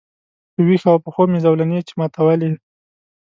په ویښه او په خوب مي زولنې چي ماتولې